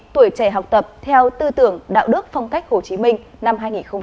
tuổi trẻ học tập theo tư tưởng đạo đức phong cách hồ chí minh năm hai nghìn một mươi chín